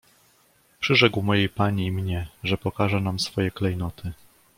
"Przyrzekł mojej pani i mnie, że pokaże nam swoje klejnoty."